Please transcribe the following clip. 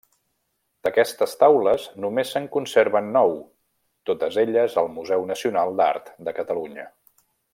D'aquestes taules només se'n conserven nou, totes elles al Museu Nacional d'Art de Catalunya.